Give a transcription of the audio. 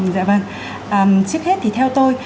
dạ vâng trước hết thì theo tôi